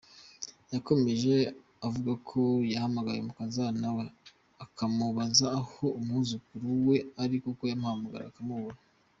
Yakomeje avuga ko yahamagaye umukazana we akamubaza aho umwuzukuru we ari kuko yamuhamagara akamubura.